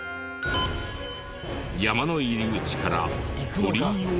山の入り口から鳥居を目指す！